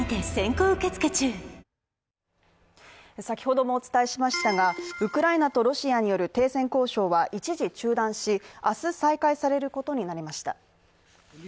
先ほどもお伝えしましたが、ウクライナとロシアによる停戦交渉は一時中断し明日、再開されることになりました。